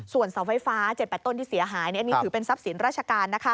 ส่วนเสาไฟฟ้า๗๘ต้นที่เสียหายอันนี้ถือเป็นทรัพย์สินราชการ